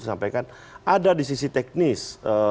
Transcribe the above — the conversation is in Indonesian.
sampaikan ada di sisi teknis